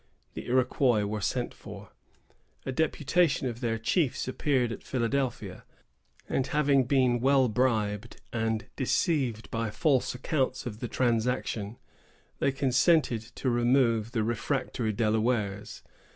The Iroquois were sent for. A deputation of their chiefs appeared at Philadelphia, and having been well bribed, and deceived by false accounts of the transaction, they consented to remove the refractory Delawares.